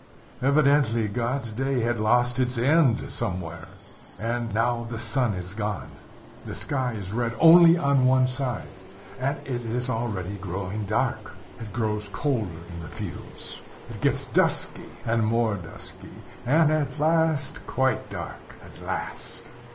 Evidently, God's day had lost its end somewhere. And now the sun is gone. The sky is red only on one side, and it is already growing dark. It grows colder in the fields. It gets dusky and more dusky, and at last quite dark. At last!